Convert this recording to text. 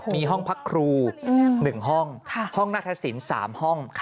มีห้องพักครู๑ห้องห้องนัทศิลป์๓ห้อง